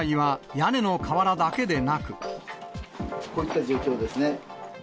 こういった状況ですね。